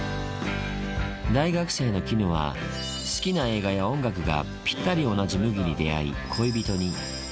大学生の絹は、好きな映画や音楽がぴったり同じ麦に出会い、恋人に。